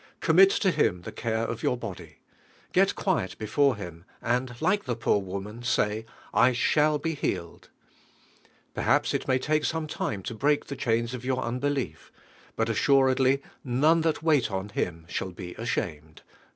Commit to Him the care of your body. Get quiet before Him and like the poor woman say, "I shall be healed." Perhaps it may take' some time to break the chains of your un belief, tun assuredly none that wait on Him shall be ashamed (Pa.